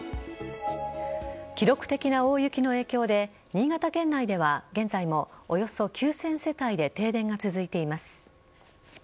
記録的な大雪の影響で新潟県内では現在も、およそ９０００世帯で停電が続いています。